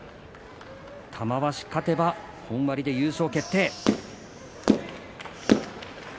玉鷲勝てば本割で優勝決定。